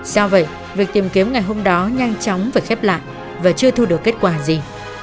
do vậy việc tìm kiếm ngày hôm đó nhanh chóng phải khép lại và chưa thu được kết quả gì